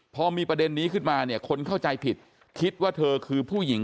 พอมีประเด็นนี้ขึ้นมาเนี่ยคนเข้าใจผิดคิดว่าเธอคือผู้หญิง